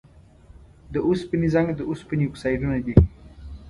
د اوسپنې زنګ د اوسپنې اکسایدونه دي.